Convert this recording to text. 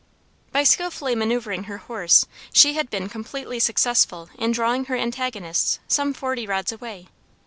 By skillfully manoeuvring her horse, she had been completely successful in drawing her antagonists some forty rods away.